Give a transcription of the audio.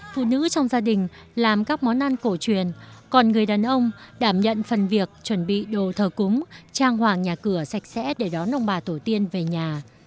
phụ nữ trong gia đình làm các món ăn cổ truyền còn người đàn ông đảm nhận phần việc chuẩn bị đồ thờ cúng trang hoàng nhà cửa sạch sẽ để đón ông bà tổ tiên về nhà